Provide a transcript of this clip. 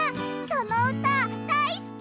そのうただいすき！